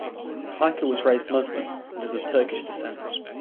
Piker was raised Muslim and is of Turkish descent.